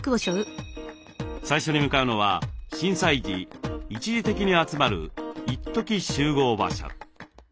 最初に向かうのは震災時一時的に集まる一時集合場所。